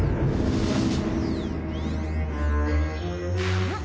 うん？